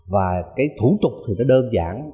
và thủ tục thì đơn giản